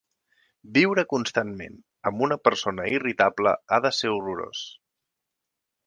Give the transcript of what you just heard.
Viure constantment amb una persona irritable ha de ser horrorós.